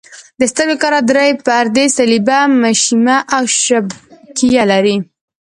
د سترګو کره درې پردې صلبیه، مشیمیه او شبکیه لري.